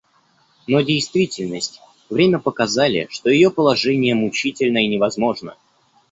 Но действительность, время показали, что ее положение мучительно и невозможно.